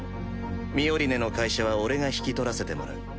ミオリネの会社は俺が引き取らせてもらう。